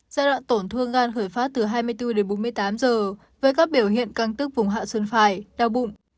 giai đoạn tổn thương gan khởi phát từ hai mươi bốn đến bốn mươi tám giờ với các biểu hiện căng tức vùng hạ xuân phải đau bụng